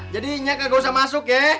jadi nya kagak usah masuk ya